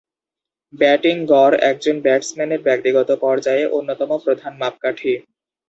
Batting গড় একজন ব্যাটসম্যানের ব্যক্তিগত পর্যায়ে অন্যতম প্রধান মাপকাঠি।